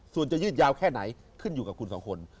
ส่วนจะยืดยาวแค่ไหนขึ้นอยู่กับคุณสองคน